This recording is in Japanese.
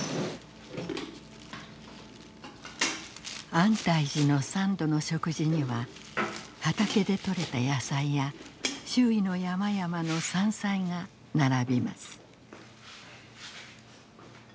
安泰寺の三度の食事には畑でとれた野菜や周囲の山々の山菜が並びます。